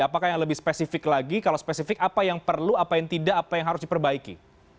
apakah yang lebih spesifik lagi kalau spesifik apa yang perlu apa yang tidak apa yang harus diperbaiki